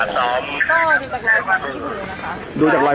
จะมีรอยหูขาด